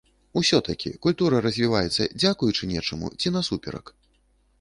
Усё такі, культура развіваецца дзякуючы нечаму ці насуперак?